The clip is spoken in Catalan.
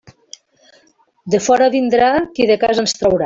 De fora vindrà qui de casa ens traurà.